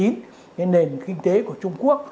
nên nền kinh tế của trung quốc